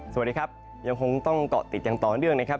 สวัสดีครับยังคงต้องเกาะติดอย่างต่อเนื่องนะครับ